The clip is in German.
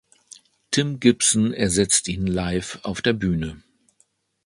Tim Gibson ersetzt ihn Live auf der Bühne